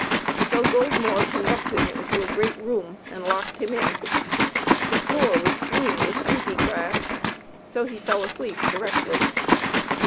So Goldmore conducted him to a great room, and locked him in. The floor was strewn with sleepy grass, so he fell asleep directly.